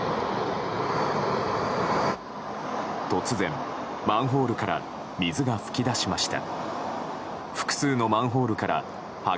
突然マンホールから水が噴き出しました。